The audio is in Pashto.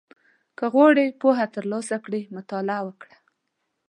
• که غواړې پوهه ترلاسه کړې، مطالعه وکړه.